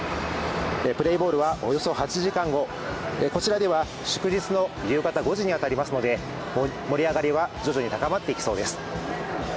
プレーボールはおよそ８時間後、こちらでは祝日の夕方５時に当たりますので盛り上がりは徐々に高まっていきそうです。